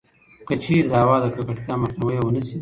کـچـېرې د هوا کـکړتيا مخنيـوی يـې ونـه شـي٫